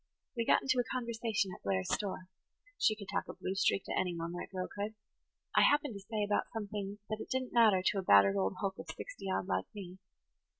We got into a conversation at Blair's store. She could talk a blue streak to anyone, that girl could. I happened to say about something that it didn't matter to a battered old hulk of sixty odd like me.